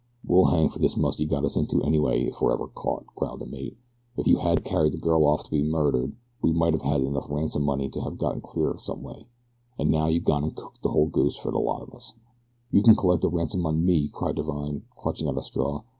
"We'll hang for this muss you got us into anyway, if we're ever caught," growled the mate. "Ef you hadn't a carried the girl off to be murdered we might have had enough ransom money to have got clear some way, but now you gone and cooked the whole goose fer the lot of us." "You can collect ransom on me," cried Divine, clutching at a straw.